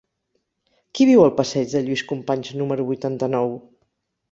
Qui viu al passeig de Lluís Companys número vuitanta-nou?